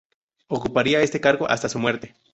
Ocuparía este cargo hasta su muerte.